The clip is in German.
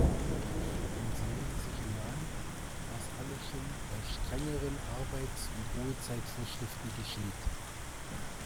Man sehe sich nur an, was alles schon bei strengeren Arbeits- und Ruhezeitvorschriften geschieht.